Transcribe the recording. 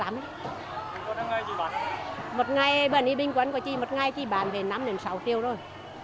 một ngày bán đi bình quân của chị một ngày chị bán về năm đến sáu triệu rồi